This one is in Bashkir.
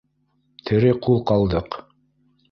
Тере ҡул ҡалдыҡ